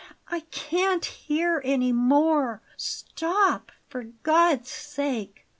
I can't hear any more! Stop, for God's sake!"